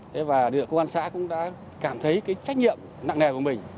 thế và địa bàn công an xã cũng đã cảm thấy cái trách nhiệm nặng nghề của mình